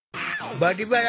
「バリバラ」。